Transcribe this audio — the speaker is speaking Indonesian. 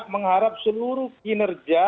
mengharap seluruh kinerja